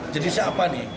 jadi siapa nih